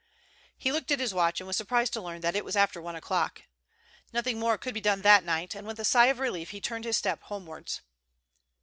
He looked at his watch and was surprised to learn that it was after one o'clock. Nothing more could be done that night, and with a sigh of relief he turned his steps homewards.